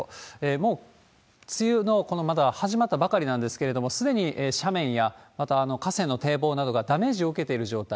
もう梅雨の、まだ始まったばかりなんですけれども、すでに斜面や、また、河川の堤防などがダメージを受けている状態。